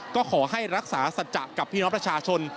ก็ขอให้รักษาสัจจะกับพี่น้องประชาชน